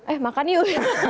eh makan yuk